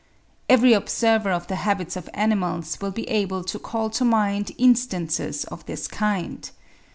Every observer of the habits of animals will be able to call to mind instances of this kind.